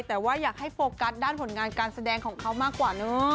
แต่ว่าอยากให้โฟกัสด้านผลงานการแสดงของเขามากกว่าเนอะ